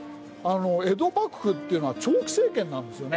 江戸幕府っていうのは長期政権なんですよね。